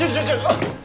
あっ！